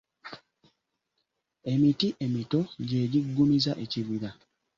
Emiti emito gy’egiggumiza ekibira.